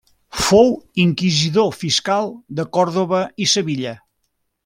Fou inquisidor fiscal de Còrdova i de Sevilla.